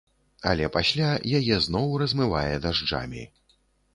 Але пасля яе зноў размывае дажджамі.